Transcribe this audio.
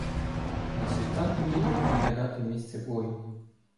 На світанку їдемо оглядати місце бою.